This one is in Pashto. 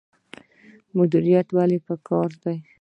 مدیریت ولې پکار دی؟